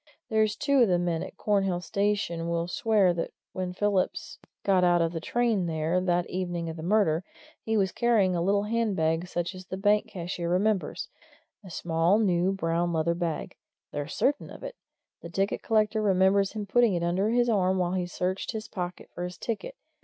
There's two of the men at Cornhill station will swear that when Phillips got out of the train there, that evening of the murder, he was carrying a little handbag such as the bank cashier remembers a small, new, brown leather bag. They're certain of it the ticket collector remembers him putting it under his arm while he searched his pocket for his ticket.